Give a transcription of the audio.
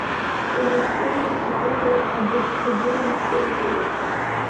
Умаҷҟәикырц уалагар, адәагәҭагьы умаҷҟәикуеит…